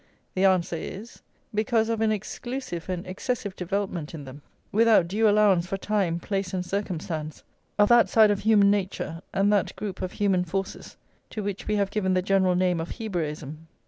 The answer is: because of an exclusive and excessive development in them, without due allowance for time, place, and circumstance, of that side of human nature, and that group of human forces, to which we have given the general name of Hebraism.